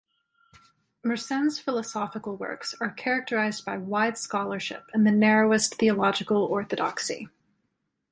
Mersenne's philosophical works are characterized by wide scholarship and the narrowest theological orthodoxy.